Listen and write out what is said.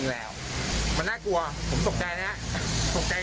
แล้วเขาจะโกนทะเลาะกันมั้ย